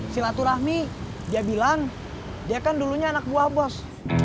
silaturahmi dia bilang dia kan dulunya anak buah bos